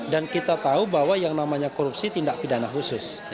dan kita tahu bahwa yang namanya korupsi tindak pidana khusus